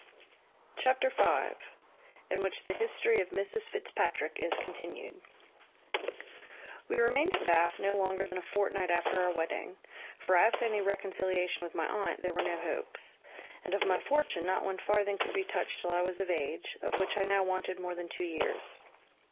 Chapter v. In which the history of Mrs Fitzpatrick is continued. "We remained at Bath no longer than a fortnight after our wedding; for as to any reconciliation with my aunt, there were no hopes; and of my fortune not one farthing could be touched till I was of age, of which I now wanted more than two years.